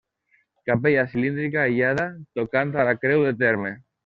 Capella cilíndrica aïllada, tocant a la creu de terme.